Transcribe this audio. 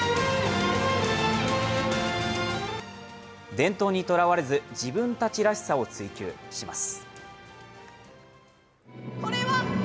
伝統にとらわれず、自分たちらしさを追求します。